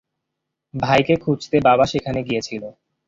ভাইকে খুঁজতে বাবা সেখানে গিয়েছিলো।